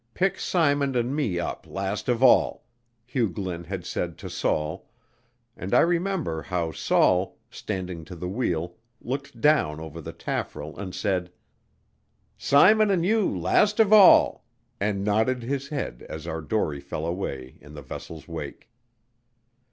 Pick Simon and me up last of all," Hugh Glynn had said to Saul, and I remember how Saul, standing to the wheel, looked down over the taffrail and said, "Simon and you last of all," and nodded his head as our dory fell away in the vessel's wake.